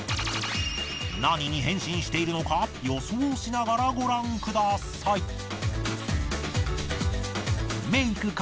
何に変身しているのか予想しながらご覧ください。